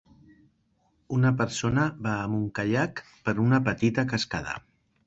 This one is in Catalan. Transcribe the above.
Una persona va amb un caiac per una petita cascada.